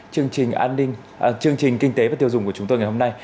chương trình kinh tế và tiêu dùng của chúng tôi ngày hôm nay